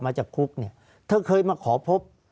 ภารกิจสรรค์ภารกิจสรรค์